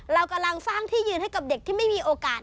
เรากำลังสร้างที่ยืนให้กับเด็กที่ไม่มีโอกาส